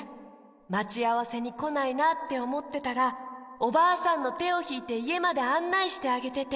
まちあわせにこないなっておもってたらおばあさんのてをひいていえまであんないしてあげてて。